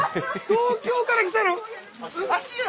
東京から来たの？